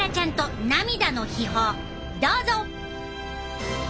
どうぞ！